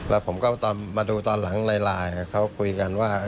แล้วผมก็มาดูตอนหลังในไลน์เขาคุยกันว่า